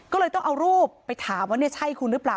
ก็เลยต้องเอารูปไปถามว่าเนี่ยใช่คุณหรือเปล่า